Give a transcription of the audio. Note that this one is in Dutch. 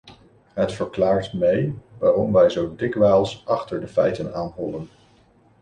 Het verklaart mee waarom wij zo dikwijls achter de feiten aanhollen.